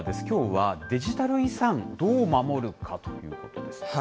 きょうは、デジタル遺産どう守る？かということです。